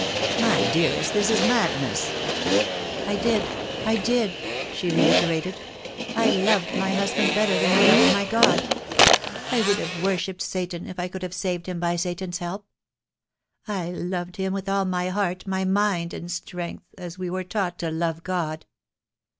"My dearest, this is madness " "I did, I did," she reiterated. "I loved my husband better than I loved my God. I would have worshipped Satan if I could have saved him by Satan's help. I loved him with all my heart, and mind, and strength, as we are taught to love God.